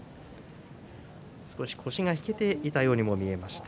少し、腰が引けていたようにも見えました。